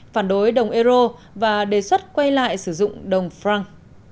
phản đối đồng euro và đề xuất quay lại sử dụng đồng franc